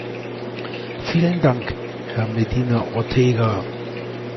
Vielen Dank, Herr Medina Ortega.